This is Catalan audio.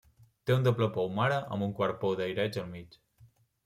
Té un doble pou mare amb un quart pou d'aireig al mig.